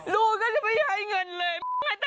ลูกก็จะไม่ให้เงินเลย